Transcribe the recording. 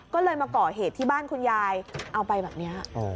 ก็เลยมาก่อเหตุที่บ้านคุณยายเอาไปแบบนี้